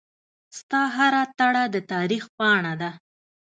ستا هره تړه دتاریخ پاڼه ده